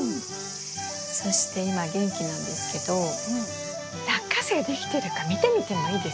そして今元気なんですけどラッカセイできてるか見てみてもいいですか？